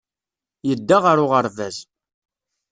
Yedda ɣer uɣerbaz.